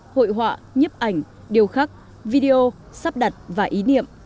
hội họa nhếp ảnh điều khắc video sắp đặt và ý niệm